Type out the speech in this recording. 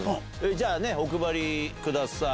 じゃあね、お配りください。